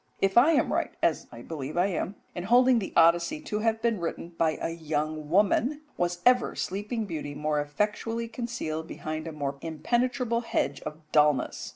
If I am right, as I believe I am, in holding the Odyssey to have been written by a young woman, was ever sleeping beauty more effectually concealed behind a more impenetrable hedge of dulness?